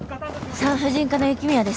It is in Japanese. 産婦人科の雪宮です。